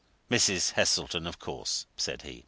"Mrs. Heselton, of course," said he.